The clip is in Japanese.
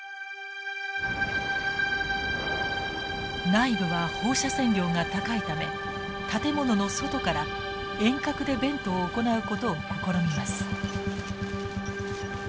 内部は放射線量が高いため建物の外から遠隔でベントを行うことを試みます。